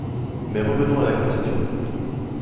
Mais revenons à la question